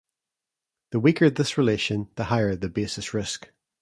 The weaker this relation the higher the basis risk.